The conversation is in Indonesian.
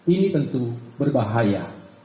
ini tentu berbahaya